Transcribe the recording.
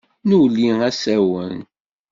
Nuli asawen.